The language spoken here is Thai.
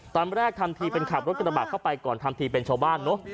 ตอนแรกทำทีเป็นขับรถกระบะเข้าไปก่อนทำทีเป็นชาวบ้านเนอะ